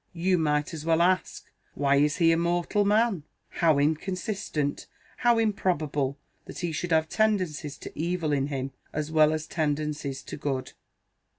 You might as well ask, Why is he a mortal man? How inconsistent, how improbable, that he should have tendencies to evil in him, as well as tendencies to good!